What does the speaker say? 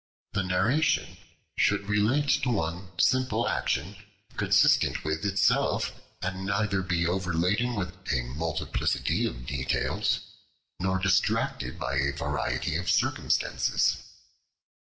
The narration should relate to one simple action, consistent with itself, and neither be overladen with a multiplicity of details, nor distracted by a variety of circumstances.